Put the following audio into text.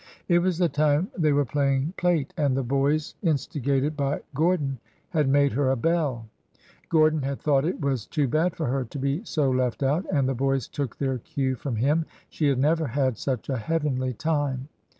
It was the time they were playing plate,'' and the boys, IN THE SCHOOL HOUSE 57 instigated by Gordon, had made her a " belled' Gordon had thought it was too bad for her to be so left out,— and the boys took their cue from him. She had never had such a heavenly time.